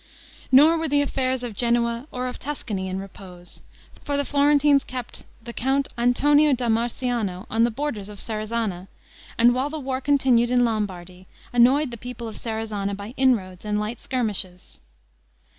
Nor were the affairs of Genoa or of Tuscany in repose, for the Florentines kept the Count Antonio da Marciano on the borders of Serezana; and while the war continued in Lombardy, annoyed the people of Serezana by inroads and light skirmishes.